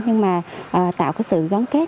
nhưng mà tạo sự gắn kết